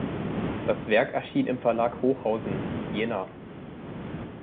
Das Werk erschien im Verlag Hochhausen, Jena.